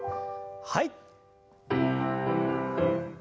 はい。